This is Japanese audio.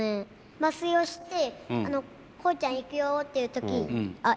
麻酔をしてコウちゃんいくよっていう時あっ